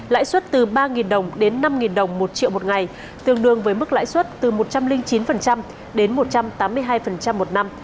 lãi suất từ ba đồng đến năm đồng một triệu một ngày tương đương với mức lãi suất từ một trăm linh chín đến một trăm tám mươi hai một năm